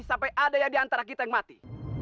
sampai ada yang diantara kita yang mati